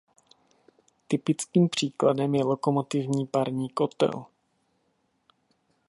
Typickým příkladem je lokomotivní parní kotel.